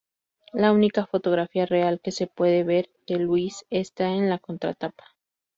La única fotografía "real" que se puede ver de Luis está en la contratapa.